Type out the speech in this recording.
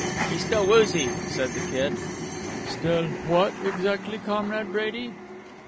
"He's still woozy," said the Kid. "Still what exactly, Comrade Brady?"